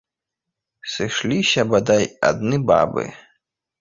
Сышліся бадай адны бабы.